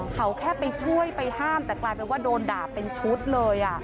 เขาแค่ไปช่วยไปห้ามแต่กลายเป็นว่าโดนด่าเป็นชุดเลย